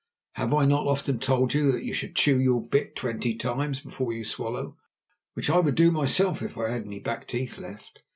Have I not often told you that you should chew your bit twenty times before you swallow, which I would do myself if I had any back teeth left?